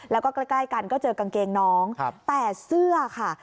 แล้วก็ใกล้กันก็เจอกางเกงน้องแต่เสื้อค่ะ